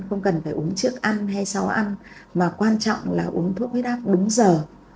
không cần phải uống trước ăn hay sau ăn mà quan trọng là uống thuốc huyết áp đúng giờ